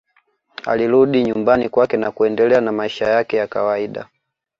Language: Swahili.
Alirudi nyumbani kwake na kuendelea na maisha yake ya kawaida